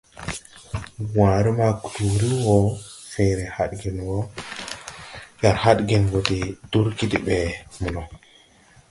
Wããre ma kluuri wɔ feere hadgen wɔ, jar hadgen wɔ de durgi de ɓɛ mono.